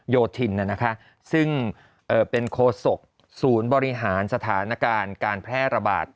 โยธินซึ่งเป็นโคศกศูนย์บริหารสถานการณ์การแพร่ระบาด